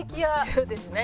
そうですね。